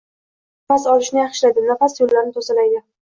Ko‘k choy nafas olishni yaxshilaydi, nafas yo‘llarini tozalaydi.